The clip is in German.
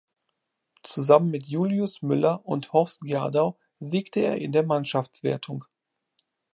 Zusammen mit Julius Müller und Horst Gerdau siegte er in der Mannschaftswertung.